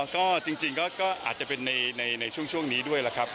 ก็จริงจริงอ่าจะเป็นในช่วงนี้ด้วยครับ